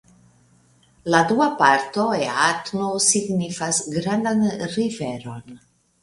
La dua parto "eatnu" signifas '(grandan) riveron'.